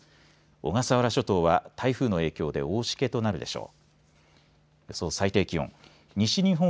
小笠原諸島は台風の影響で大しけとなるでしょう。